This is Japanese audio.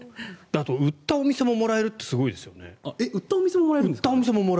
あと、売ったお店ももらえるってすごいですよね。